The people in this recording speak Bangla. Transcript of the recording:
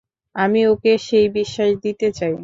আমি ওকে সেই বিশ্বাস দিতে চাই!